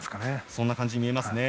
そんな感じに見えますね。